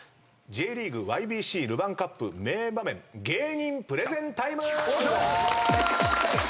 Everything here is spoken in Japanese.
ＪリーグＹＢＣルヴァンカップ名場面芸人プレゼンタイム。